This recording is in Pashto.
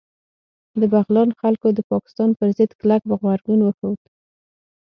د بغلان خلکو د پاکستان پر ضد کلک غبرګون وښود